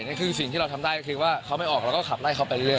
นั่นคือสิ่งที่เราทำได้ก็คือว่าเขาไม่ออกเราก็ขับไล่เขาไปเรื่อ